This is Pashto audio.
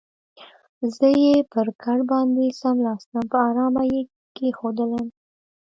زه یې پر کټ باندې څملاستم، په آرامه یې کېښودلم.